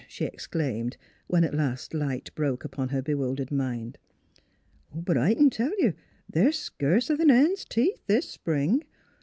she exclaimed, when at last light broke upon her bewildered mind. " But I c'n tell you they're scurcer 'n hen's teeth this spring.